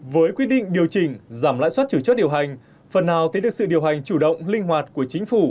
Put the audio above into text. với quyết định điều chỉnh giảm lãi suất chủ chốt điều hành phần nào thấy được sự điều hành chủ động linh hoạt của chính phủ